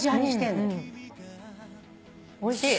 おいしい。